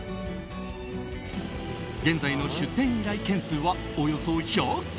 現在の出店依頼件数はおよそ１００件。